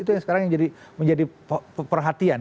itu yang sekarang yang menjadi perhatian